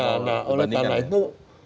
nah oleh karena itu